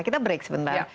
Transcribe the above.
kita berhenti sebentar